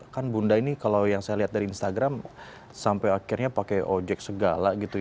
kan bunda ini kalau yang saya lihat dari instagram sampai akhirnya pakai ojek segala gitu ya